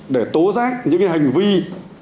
để tố rác những hành vi tàn tích